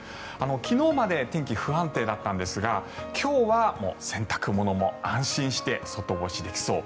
昨日まで天気が不安定だったんですが今日は洗濯物も安心して外干しできそう。